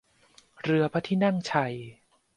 เรือพระที่นั่งชัย